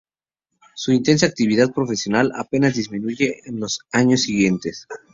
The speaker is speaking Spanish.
Su intensa actividad profesional apenas disminuye en los años siguientes.